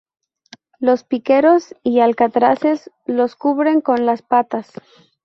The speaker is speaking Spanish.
Los piqueros y alcatraces los recubren con las patas.